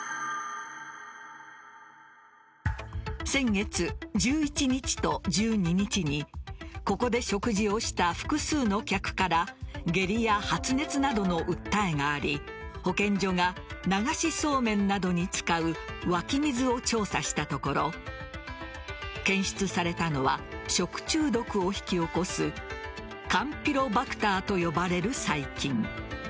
先月１１日と１２日にここで食事をした複数の客から下痢や発熱などの訴えがあり保健所が流しそうめんなどに使う湧き水を調査したところ検出されたのは食中毒を引き起こすカンピロバクターと呼ばれる細菌。